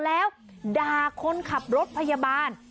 แล้วด่าคนขับรถพยาบาล